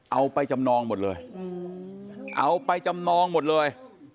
เอาไปจำนองหมดเลยเอาไปจำนองหมดเลย